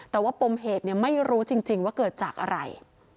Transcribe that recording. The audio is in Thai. แต่ว่าปมเหตุไม่รู้จริงว่าเกิดจากอะไร